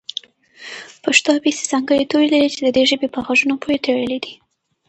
پښتو ابېڅې ځانګړي توري لري چې د دې ژبې په غږونو پورې تړلي دي.